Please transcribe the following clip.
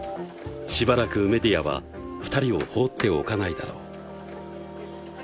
しばらくメディアは２人を放っておかないだろう